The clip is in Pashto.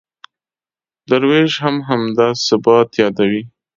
درویش هم همدا ثبات یادوي.